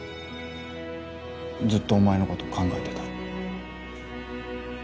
ずっとお前のこと考えてた。